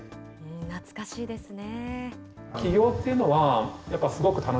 懐かしいですね。